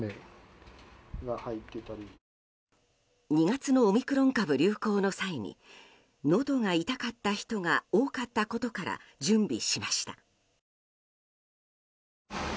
２月のオミクロン株流行の際にのどが痛かった人が多かったことから準備しました。